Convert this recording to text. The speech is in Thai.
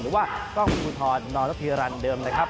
หรือว่ากล้องกุธรนอนพิรรณเดิมนะครับ